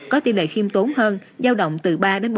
có tỷ lệ khiêm tốn hơn giao động từ ba bốn năm